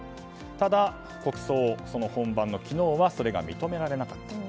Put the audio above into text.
ただ、国葬その本番の昨日はそれが認められなかった。